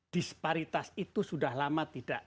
disparitas itu sudah lama tidak